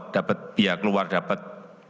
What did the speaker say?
dapat biaya keluar dapat